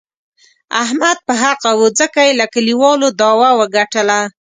احمد په حقه و، ځکه یې له کلیوالو داوه و ګټله.